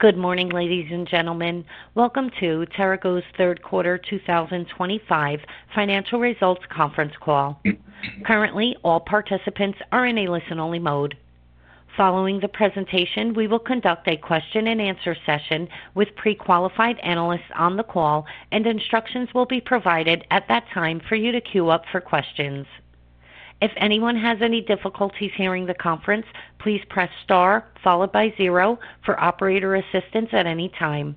Good morning, ladies and gentlemen. Welcome to TERAGO's Third Quarter 2025 Financial Results Conference Call. Currently, all participants are in a listen-only mode. Following the presentation, we will conduct a question-and-answer session with pre-qualified analysts on the call, and instructions will be provided at that time for you to queue up for questions. If anyone has any difficulties hearing the conference, please press star followed by zero for operator assistance at any time.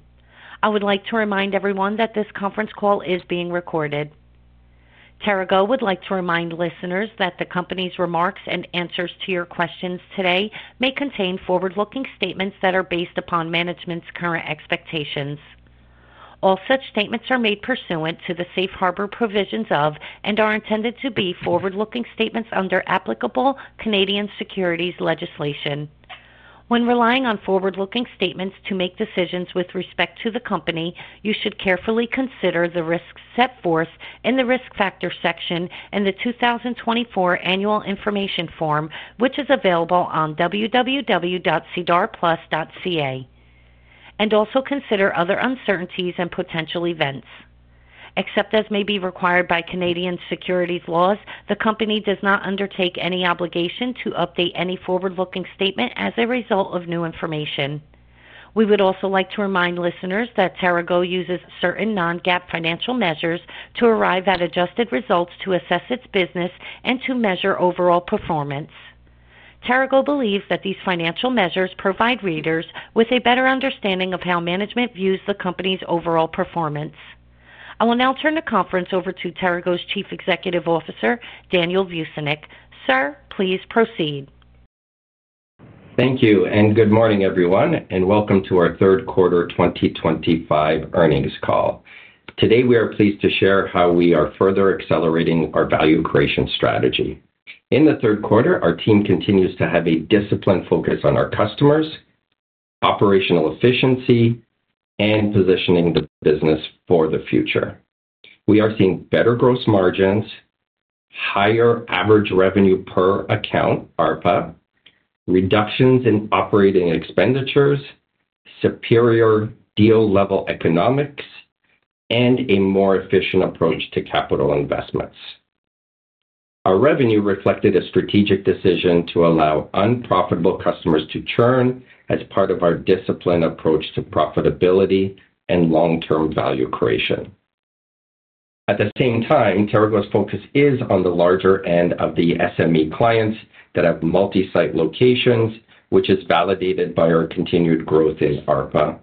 I would like to remind everyone that this conference call is being recorded. TERAGO would like to remind listeners that the Company's remarks and answers to your questions today may contain forward-looking statements that are based upon management's current expectations. All such statements are made pursuant to the safe harbor provisions of and are intended to be forward-looking statements under applicable Canadian securities legislation. When relying on forward-looking statements to make decisions with respect to the Company, you should carefully consider the risks set forth in the risk factor section in the 2024 annual information form, which is available on www.cidarplus.ca, and also consider other uncertainties and potential events. Except as may be required by Canadian securities laws, the Company does not undertake any obligation to update any forward-looking statement as a result of new information. We would also like to remind listeners that TERAGO uses certain non-GAAP financial measures to arrive at adjusted results to assess its business and to measure overall performance. TERAGO believes that these financial measures provide readers with a better understanding of how management views the Company's overall performance. I will now turn the conference over to TERAGO's Chief Executive Officer, Daniel Vucinic. Sir, please proceed. Thank you, and good morning, everyone, and welcome to our Third Quarter 2025 earnings call. Today, we are pleased to share how we are further accelerating our value creation strategy. In the third quarter, our team continues to have a disciplined focus on our customers, operational efficiency, and positioning the business for the future. We are seeing better gross margins, higher average revenue per account, ARPA, reductions in operating expenditures, superior deal-level economics, and a more efficient approach to capital investments. Our revenue reflected a strategic decision to allow unprofitable customers to churn as part of our disciplined approach to profitability and long-term value creation. At the same time, TERAGO's focus is on the larger end of the SME clients that have multi-site locations, which is validated by our continued growth in ARPA.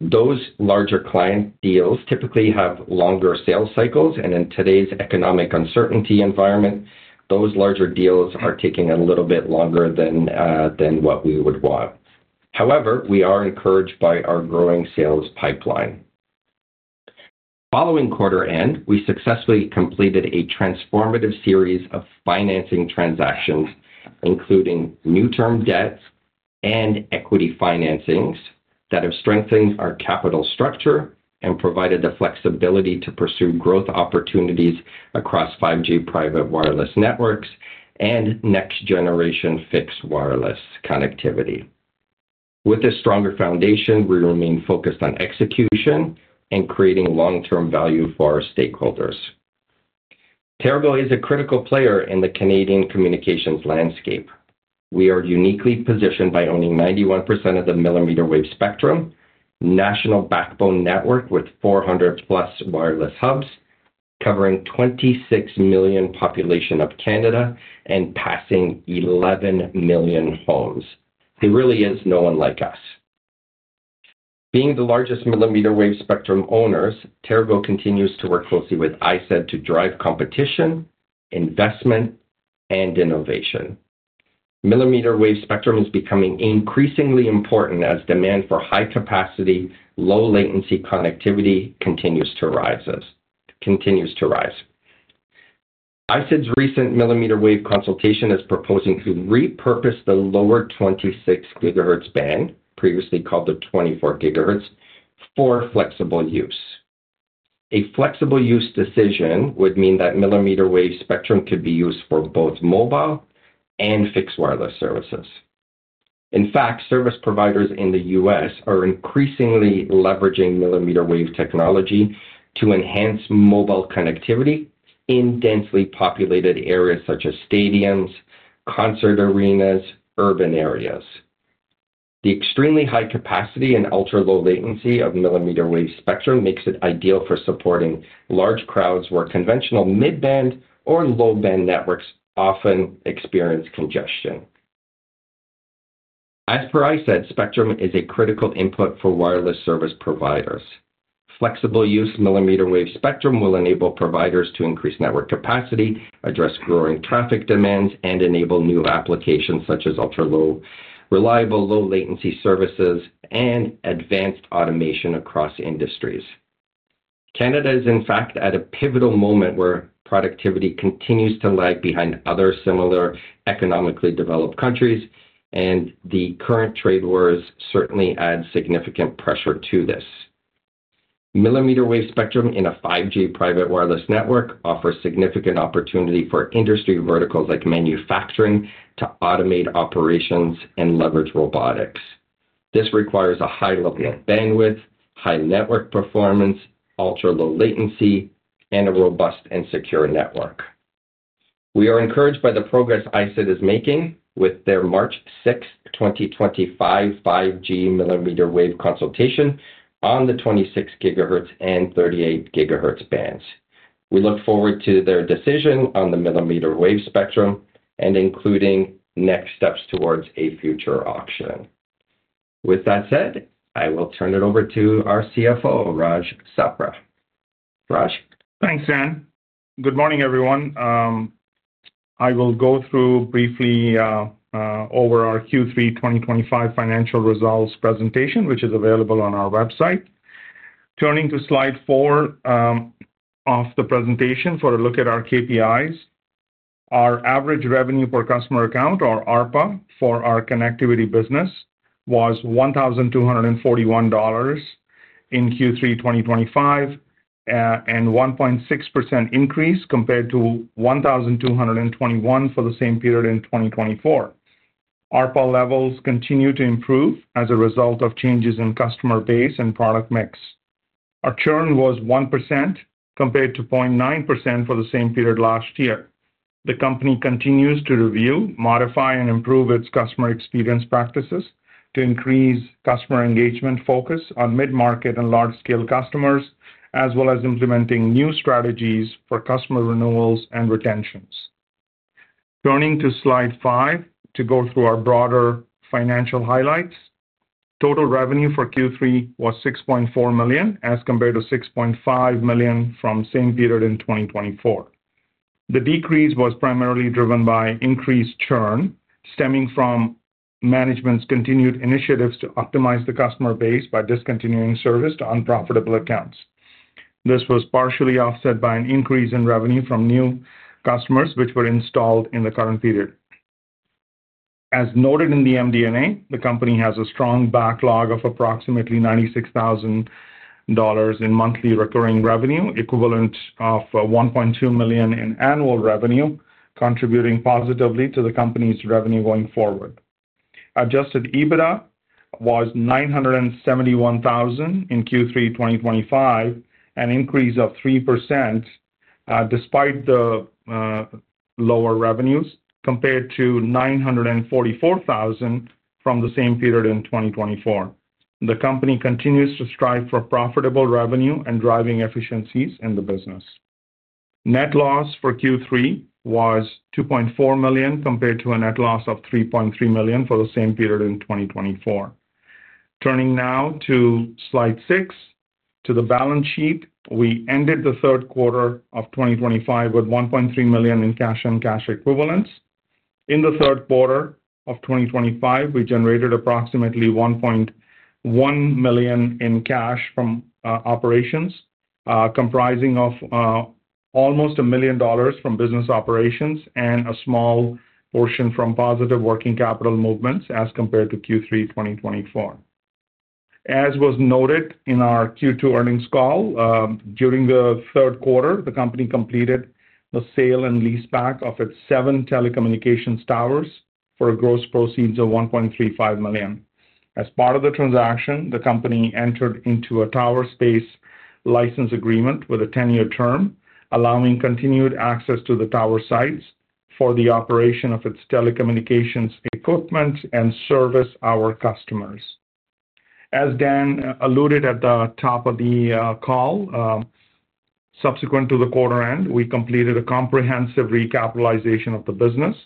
Those larger client deals typically have longer sales cycles, and in today's economic uncertainty environment, those larger deals are taking a little bit longer than what we would want. However, we are encouraged by our growing sales pipeline. Following quarter end, we successfully completed a transformative series of financing transactions, including new-term debts and equity financings, that have strengthened our capital structure and provided the flexibility to pursue growth opportunities across 5G Private Wireless Networks and next-generation Fixed Wireless connectivity. With a stronger foundation, we remain focused on execution and creating long-term value for our stakeholders. TERAGO is a critical player in the Canadian communications landscape. We are uniquely positioned by owning 91% of the millimeter wave spectrum, a national backbone network with 400+ wireless hubs, covering 26 million populations of Canada and passing 11 million homes. There really is no one like us. Being the largest millimeter wave spectrum owners, TERAGO continues to work closely with ISED to drive competition, investment, and innovation. mmWave spectrum is becoming increasingly important as demand for high-capacity, low-latency connectivity continues to rise. ISED's recent mmWave consultation is proposing to repurpose the lower 26 GHz band, previously called the 24 GHz, for flexible use. A flexible use decision would mean that mmWave spectrum could be used for both Mobile and Fixed Wireless services. In fact, service providers in the U.S. are increasingly leveraging mmWave technology to enhance mobile connectivity in densely populated areas such as stadiums, concert arenas, and urban areas. The extremely high capacity and ultra-low latency of mmWave spectrum makes it ideal for supporting large crowds where conventional mid-band or low-band networks often experience congestion. As per ISED, spectrum is a critical input for wireless service providers. Flexible use of mmWave spectrum will enable providers to increase network capacity, address growing traffic demands, and enable new applications such as ultra-low reliable low-latency services and advanced automation across industries. Canada is, in fact, at a pivotal moment where productivity continues to lag behind other similar economically developed countries, and the current trade wars certainly add significant pressure to this. mmWave spectrum in a 5G Private Wireless Network offers significant opportunity for industry verticals like manufacturing to automate operations and leverage robotics. This requires a high level of bandwidth, high network performance, ultra-low latency, and a robust and secure network. We are encouraged by the progress ISED is making with their March 6th, 2025, 5G mmWave consultation on the 26 GHz and 38 GHz bands. We look forward to their decision on the mmWave spectrum and including next steps towards a future auction. With that said, I will turn it over to our CFO, Raj Sapra. Raj? Thanks, Dan. Good morning, everyone. I will go through briefly over our Q3 2025 financial results presentation, which is available on our website. Turning to slide four of the presentation for a look at our KPIs, our average revenue per customer account, or ARPA, for our Connectivity business was 1,241 dollars in Q3 2025, and a 1.6% increase compared to 1,221 for the same period in 2024. ARPA levels continue to improve as a result of changes in customer base and product mix. Our churn was 1% compared to 0.9% for the same period last year. The Company continues to review, modify, and improve its customer experience practices to increase customer engagement focus on mid-market and large-scale customers, as well as implementing new strategies for customer renewals and retentions. Turning to slide five to go through our broader financial highlights, total revenue for Q3 was 6.4 million as compared to 6.5 million from the same period in 2024. The decrease was primarily driven by increased churn stemming from management's continued initiatives to optimize the customer base by discontinuing service to unprofitable accounts. This was partially offset by an increase in revenue from new customers which were installed in the current period. As noted in the MD&A, the Company has a strong backlog of approximately 96,000 dollars in monthly recurring revenue, equivalent of 1.2 million in annual revenue, contributing positively to the Company's revenue going forward. Adjusted EBITDA was 971,000 in Q3 2025, an increase of 3% despite the lower revenues, compared to 944,000 from the same period in 2024. The Company continues to strive for profitable revenue and driving efficiencies in the business. Net loss for Q3 was 2.4 million compared to a net loss of 3.3 million for the same period in 2024. Turning now to slide six, to the balance sheet, we ended the third quarter of 2025 with 1.3 million in cash and cash equivalents. In the third quarter of 2025, we generated approximately 1.1 million in cash from operations, comprising almost 1 million dollars from business operations and a small portion from positive working capital movements as compared to Q3 2024. As was noted in our Q2 earnings call, during the third quarter, the Company completed the sale and lease back of its seven telecommunications towers for a gross proceeds of 1.35 million. As part of the transaction, the Company entered into a tower space license agreement with a 10-year term, allowing continued access to the tower sites for the operation of its telecommunications equipment and service our customers. As Dan alluded at the top of the call, subsequent to the quarter end, we completed a comprehensive recapitalization of the business,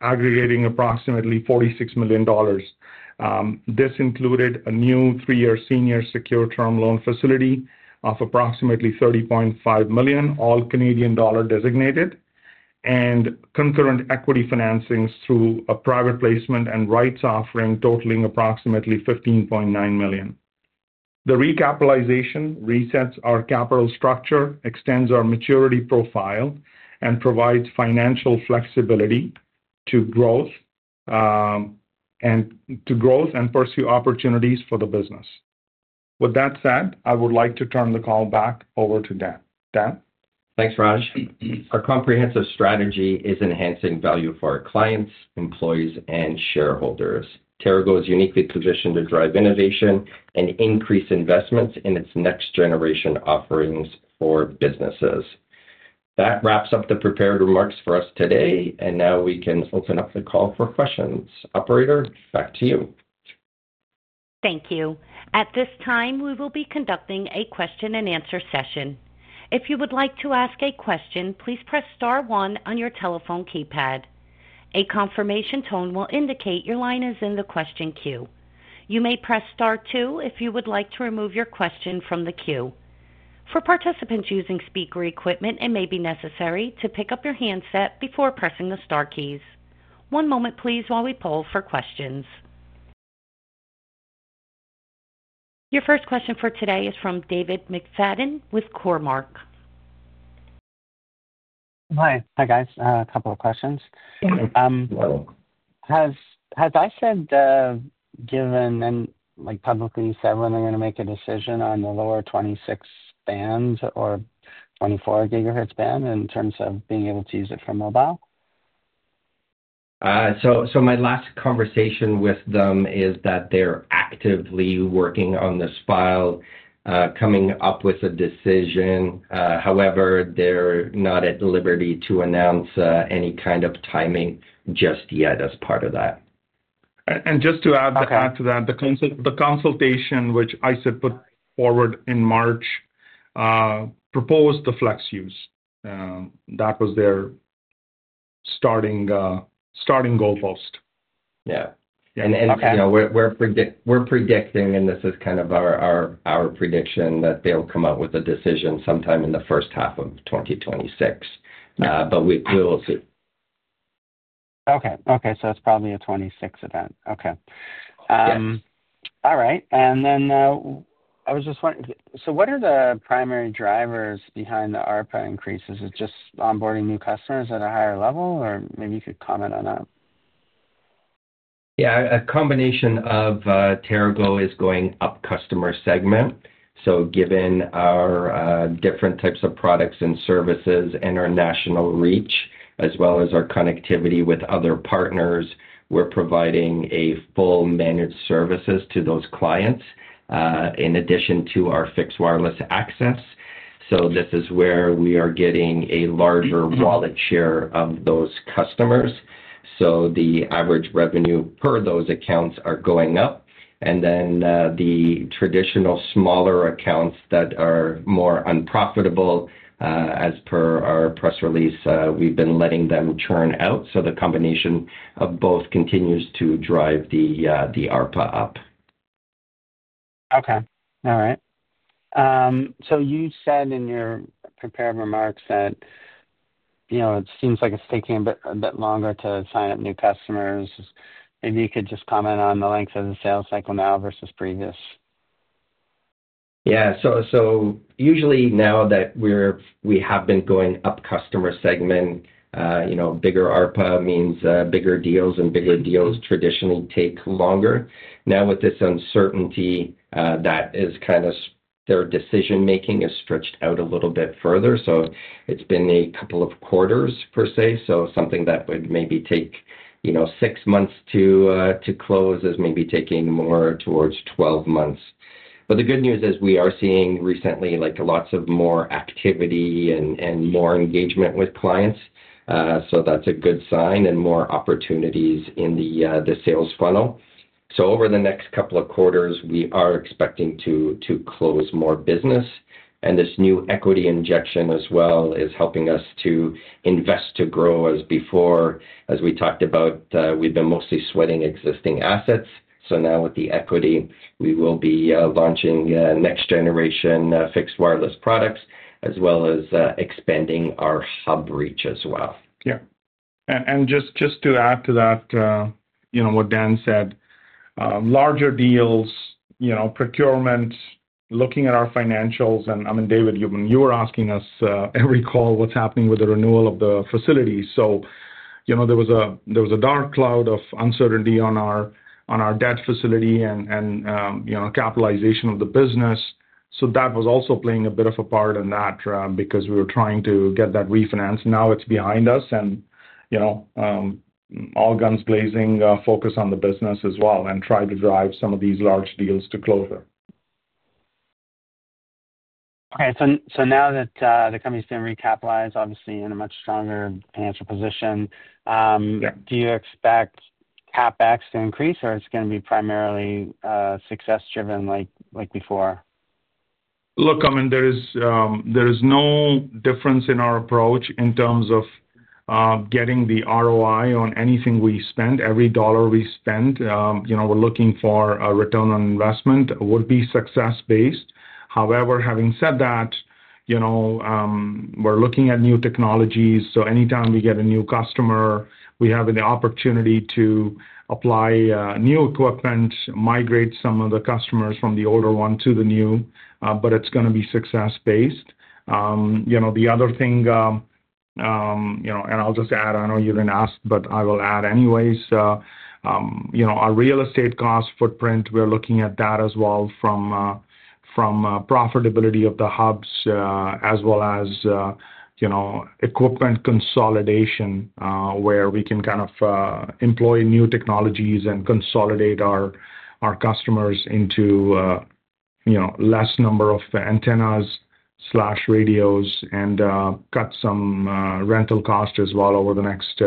aggregating approximately 46 million dollars. This included a new three-year senior secure term loan facility of approximately 30.5 million, all Canadian dollar designated, and concurrent equity financings through a private placement and rights offering totaling approximately 15.9 million. The recapitalization resets our capital structure, extends our maturity profile, and provides financial flexibility to growth and pursue opportunities for the business. With that said, I would like to turn the call back over to Dan. Dan? Thanks, Raj. Our comprehensive strategy is enhancing value for our clients, employees, and shareholders. TERAGO is uniquely positioned to drive innovation and increase investments in its next-generation offerings for businesses. That wraps up the prepared remarks for us today, and now we can open up the call for questions. Operator, back to you. Thank you. At this time, we will be conducting a question-and-answer session. If you would like to ask a question, please press star one on your telephone keypad. A confirmation tone will indicate your line is in the question queue. You may press star two if you would like to remove your question from the queue. For participants using speaker equipment, it may be necessary to pick up your handset before pressing the star keys. One moment, please, while we poll for questions. Your first question for today is from David McFadgen with Cormark. Hi. Hi, guys. A couple of questions. Has ISED given and publicly said when they're going to make a decision on the lower 26 GHz band or 24 GHz band in terms of being able to use it for Mobile? My last conversation with them is that they're actively working on this file, coming up with a decision. However, they're not at liberty to announce any kind of timing just yet as part of that. Just to add to that, the consultation, which ISED put forward in March, proposed the flex use. That was their starting goalpost. Yeah. And we're predicting, and this is kind of our prediction, that they'll come up with a decision sometime in the first half of 2026, but we will see. Okay. Okay. It's probably a 2026 event. Okay. All right. I was just wondering, what are the primary drivers behind the ARPA increases? Is it just onboarding new customers at a higher level, or maybe you could comment on that? Yeah. A combination of TERAGO is going up customer segment. Given our different types of products and services and our national reach, as well as our connectivity with other partners, we're providing full managed services to those clients in addition to our Fixed Wireless access. This is where we are getting a larger wallet share of those customers. The average revenue per those accounts is going up. And then the traditional smaller accounts that are more unprofitable, as per our press release, we've been letting them churn out. The combination of both continues to drive the ARPA up. Okay. All right. So you said in your prepared remarks that it seems like it's taking a bit longer to sign up new customers. Maybe you could just comment on the length of the sales cycle now versus previous. Yeah. So usually now that we have been going up Customer segment, bigger ARPA means bigger deals, and bigger deals traditionally take longer. Now, with this uncertainty, that is kind of their decision-making is stretched out a little bit further. So it's been a couple of quarters, per se. So something that would maybe take six months to close is maybe taking more towards 12 months. But the good news is we are seeing recently lots of more activity and more engagement with clients. So that's a good sign and more opportunities in the sales funnel. So over the next couple of quarters, we are expecting to close more business. And this new equity injection as well is helping us to invest to grow as before. As we talked about, we've been mostly sweating existing assets. Now with the equity, we will be launching next-generation Fixed Wireless products as well as expanding our hub reach as well. Yeah. And just to add to that what Dan said, larger deals, procurement, looking at our financials. And I mean, David, you were asking us every call what's happening with the renewal of the facility. So there was a dark cloud of uncertainty on our debt facility and capitalization of the business. So that was also playing a bit of a part in that because we were trying to get that refinanced. Now it's behind us, and all guns blazing, focus on the business as well and try to drive some of these large deals to closure. Okay. So now that the Company's been recapitalized, obviously, in a much stronger financial position, do you expect CapEx to increase, or it's going to be primarily success-driven like before? Look, I mean, there is no difference in our approach in terms of getting the ROI on anything we spend. Every dollar we spend, we're looking for a return on investment would be success-based. However, having said that, we're looking at new technologies. So anytime we get a new customer, we have the opportunity to apply new equipment, migrate some of the customers from the older one to the new, but it's going to be success-based. The other thing, and I'll just add, I know you didn't ask, but I will add anyways, our real estate cost footprint, we're looking at that as well from profitability of the hubs as well as equipment consolidation where we can kind of employ new technologies and consolidate our customers into a less number of antennas/radios and cut some rental costs as well over the next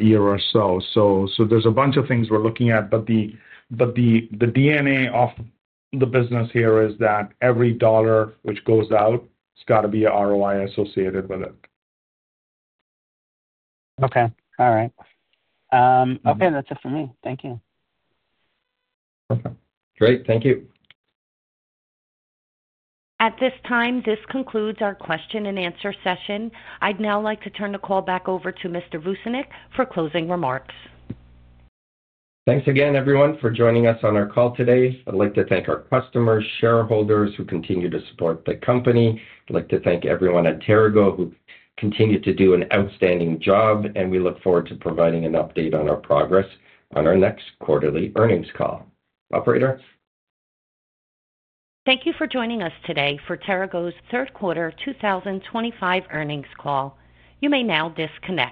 year or so. So there's a bunch of things we're looking at, but the DNA of the business here is that every dollar which goes out, it's got to be an ROI associated with it. Okay. All right. Okay. That's it for me. Thank you. Perfect. Great. Thank you. At this time, this concludes our question-and-answer session. I'd now like to turn the call back over to Mr. Vucinic for closing remarks. Thanks again, everyone, for joining us on our call today. I'd like to thank our customers, shareholders who continue to support the company. I'd like to thank everyone at TERAGO who continued to do an outstanding job, and we look forward to providing an update on our progress on our next quarterly earnings call. Operator. Thank you for joining us today for TERAGO's third quarter 2025 earnings call. You may now disconnect.